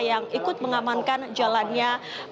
yang ikut mengamankan jalannya